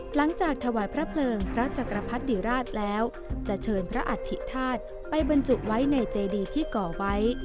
หลังจากถวายพระเพลิงพระจักรพรรดิราชแล้วจะเชิญพระอัฐิธาตุไปบรรจุไว้ในเจดีที่ก่อไว้